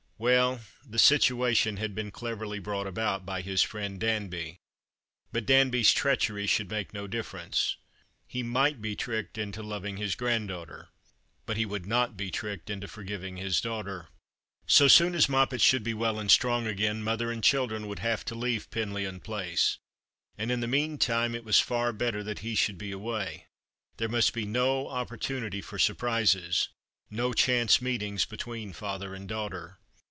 Well, the situation had been cleverly brought about by his friend Danby ; but Danby's treachery should make no difference. He might be tricked into loving his granddaughter ; but he would not be tricked into forgiving. his daughter. So soon as Moppet should be well and strong again, mother and children would have to leave Penlyon Place ; and in the mean time it was far better that he should be away. There must be no opportunity for siu prises — no chance meetings between father and daughter.